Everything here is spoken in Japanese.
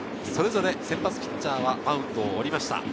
先発ピッチャーはマウンドを降りました。